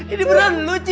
ini beran lucil